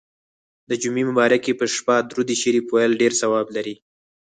د جمعې مبارڪي په شپه درود شریف ویل ډیر ثواب لري.